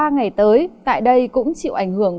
ba ngày tới tại đây cũng chịu ảnh hưởng